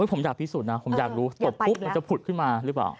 ผมอยากพิสูจน์นะผมอยากรู้ตบปุ๊บมันจะผุดขึ้นมาหรือเปล่า